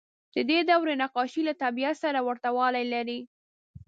د دې دورې نقاشۍ له طبیعت سره ورته والی لري.